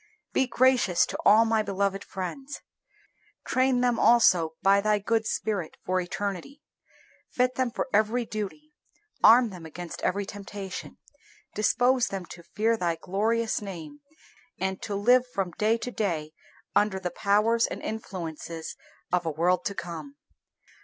Be gracious to all my beloved friends. Train them also, by Thy good Spirit, for eternity. Fit them for every duty. Arm them against every temptation. Dispose them to fear Thy glorious name, and to live from day to day under the powers and influences of a world to come.